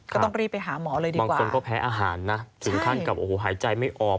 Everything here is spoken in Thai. ก็ต้องรีบไปหาหมอเลยดีบางคนก็แพ้อาหารนะถึงขั้นกับโอ้โหหายใจไม่ออก